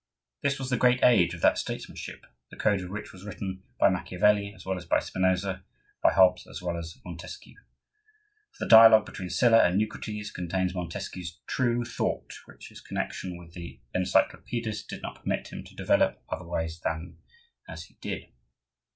This was the great age of that statesmanship the code of which was written by Macchiavelli as well as by Spinosa, by Hobbes as well as by Montesquieu,—for the dialogue between Sylla and Eucrates contains Montesquieu's true thought, which his connection with the Encyclopedists did not permit him to develop otherwise than as he did.